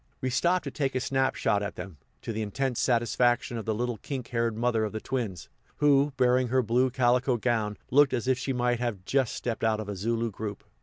We stopped to take a snap shot at them, to the intense satisfaction of the little kink haired mother of the twins, who, barring her blue calico gown, looked as if she might have just stepped out of a Zulu group.